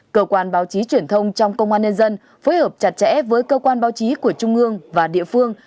cơ quan báo chí truyền thông trong công an nhân dân phối hợp chặt chẽ với cơ quan báo chí của trung ương và địa phương